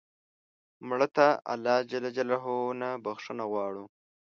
مړه ته الله ج نه بخښنه غواړو